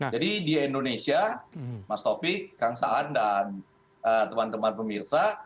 jadi di indonesia mas taufik kang saan dan teman teman pemirsa